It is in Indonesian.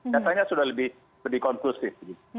katanya sudah lebih konklusif